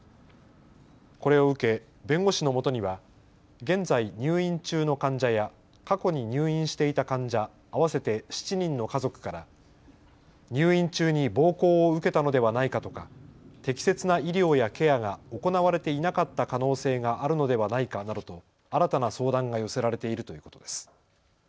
これを受け、弁護士のもとには現在、入院中の患者や過去に入院していた患者合わせて７人の家族から入院中に暴行を受けたのではないかとか、適切な医療やケアが行われていなかった可能性があるのではないかなどと新たな相談が寄せられているということです。